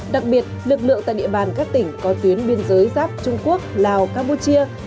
đặc biệt lực lượng tại địa bàn các tỉnh có tuyến biên giới giáp trung quốc lào campuchia